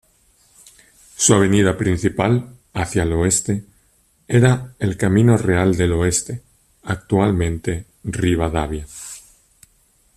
Su avenida principal, hacia el oeste, era el "Camino Real del Oeste", actualmente Rivadavia.